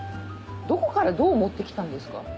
どこからどう持ってきたんですか？